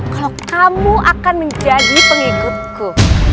kalau kamu akan menjadi pengikutku